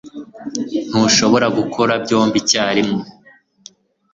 Ntushobora gukora byombi icyarimwe.